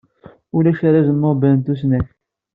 Ulac arraz Nobel n tusnakt.